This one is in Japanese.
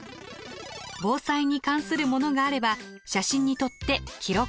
防災に関するものがあれば写真に撮って記録！